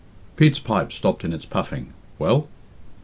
Pete's pipe stopped in its puffing. "Well?"